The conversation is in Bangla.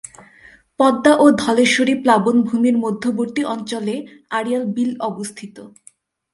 পদ্মা ও ধলেশ্বরী প্লাবনভূমির মধ্যবর্তী অঞ্চলে আড়িয়াল বিল অবস্থিত।